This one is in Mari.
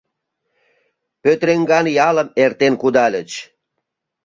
Пӧтреҥган ялым эртен кудальыч.